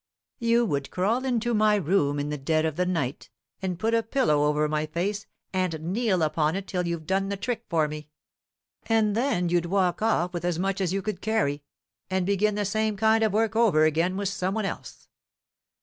You would crawl into my room in the dead of the night and put a pillow over my face, and kneel upon it till you'd done the trick for me; and then you'd walk off with as much as you could carry, and begin the same kind of work over again with some one else.